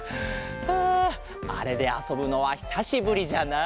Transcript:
ああれであそぶのはひさしぶりじゃなあ。